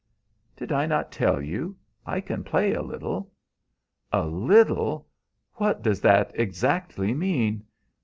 "Did I not tell you? I can play a little." "A little! What does that exactly mean?"